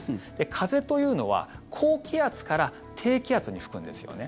風というのは高気圧から低気圧に吹くんですよね。